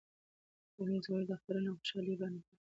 فرهنګ زموږ د اخترونو او خوشالیو بڼه ټاکي.